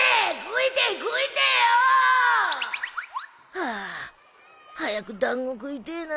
ハア早く団子食いてえな。